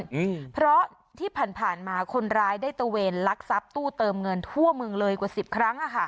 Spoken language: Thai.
อืมเพราะที่ผ่านมาคนร้ายได้ตะเวนลักทรัพย์ตู้เติมเงินทั่วเมืองเลยกว่าสิบครั้งอ่ะค่ะ